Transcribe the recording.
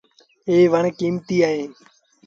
ايٚ وڻ ڪيٚمتيٚ اهي۔